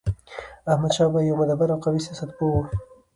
احمدشاه بابا يو مدبر او قوي سیاست پوه و.